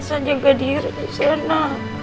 elsa jaga diri disana